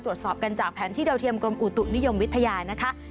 ตรวจสอบกันจากแผนที่ดาวเทียมกรมอุตุนิยมวิทยานะคะ